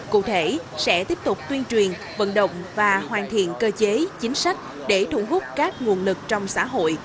cụ thể sẽ tiếp tục tuyên truyền vận động và hoàn thiện cơ chế chính sách để thu hút các nguồn lực trong xã hội